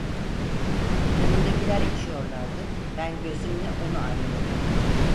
Yanımdakiler içiyorlardı, ben gözümle onu arıyordum.